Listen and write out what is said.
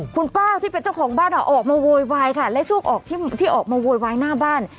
คุณป้าที่เป็นเจ้าของบ้านออกมาโวยวายค่ะและช่วงออกที่ออกมาโวยวายหน้าบ้าน